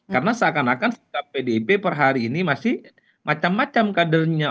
karena seakan akan sikap pdip per hari ini masih macam macam kadernya